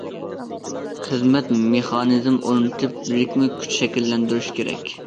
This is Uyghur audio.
خىزمەت مېخانىزمى ئورنىتىپ، بىرىكمە كۈچ شەكىللەندۈرۈشى كېرەك.